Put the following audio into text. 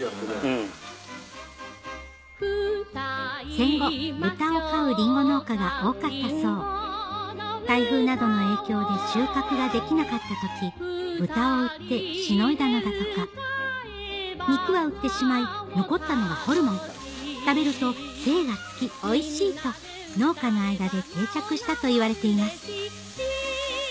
戦後豚を飼うりんご農家が多かったそう台風などの影響で収穫ができなかった時豚を売ってしのいだのだとか肉は売ってしまい残ったのがホルモン食べると精がつきおいしいと農家の間で定着したといわれています